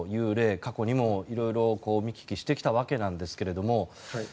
過去にもいろいろ見聞きしてきたわけなんですけれども。